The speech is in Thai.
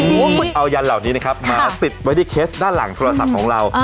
เพราะว่าเหมือนเอายันเหล่านี้นะครับมาติดไว้ที่เคสด้านหลังโทรศัพท์ของเรา